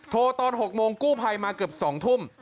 ตอน๖โมงกู้ภัยมาเกือบ๒ทุ่ม